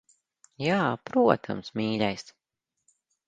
Jā, protams, mīļais.